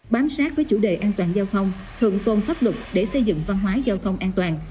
bám sát với chủ đề an toàn giao thông thượng tôn pháp luật để xây dựng văn hóa giao thông an toàn